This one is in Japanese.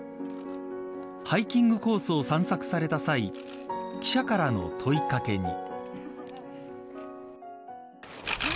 ハイキングコースを散策された際記者からの問い掛けに。